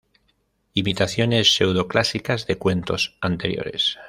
Imitaciones pseudo-clásicas de cuentos anteriores.